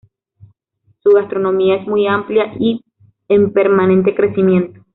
Su gastronomía es muy amplia y en permanente crecimiento.